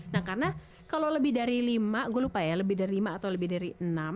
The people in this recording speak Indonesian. nah karena kalau lebih dari lima gue lupa ya lebih dari lima atau lebih dari